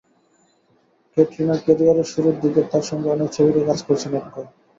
ক্যাটরিনার ক্যারিয়ারের শুরুর দিকে তাঁর সঙ্গে অনেক ছবিতেই কাজ করেছেন অক্ষয়।